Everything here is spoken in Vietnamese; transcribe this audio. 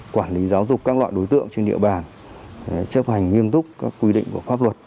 quản lý giáo dục các loại đối tượng trên địa bàn chấp hành nghiêm túc các quy định của pháp luật